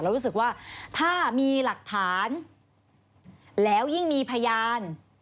รู้สึกว่าถ้ามีหลักฐานแล้วยิ่งมีพยาน